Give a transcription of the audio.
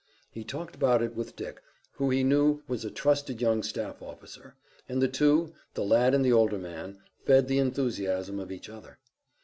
He talked about it with Dick, who he knew was a trusted young staff officer, and the two, the lad and the older man, fed the enthusiasm of each other.